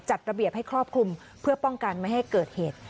จัดระเบียบให้ครอบคลุมเพื่อป้องกันไม่ให้เกิดเหตุ